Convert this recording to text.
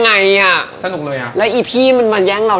คว้าครับคลุ้งสนับ